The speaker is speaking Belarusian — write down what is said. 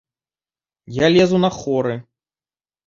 Я лезу на хоры.